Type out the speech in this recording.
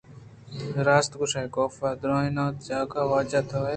راست گوٛشئےکاف ءَ درّائینت جاگہ ءِ واجہ توئے